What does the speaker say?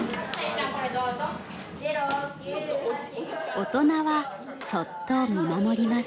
大人はそっと見守ります。